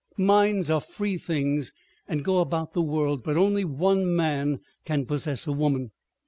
... Minds are free things and go about the world, but only one man can possess a woman.